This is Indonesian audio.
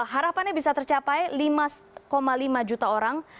harapannya bisa tercapai lima lima juta orang